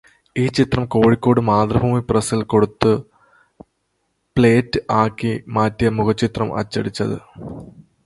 ഈ ചിത്രം കോഴിക്കോട് മാതൃഭൂമി പ്രസ്സിൽ കൊടുത്തതു പ്ലേറ്റ് ആക്കി മാറ്റിയാണ് മുഖചിത്രം അച്ചടിച്ചത്.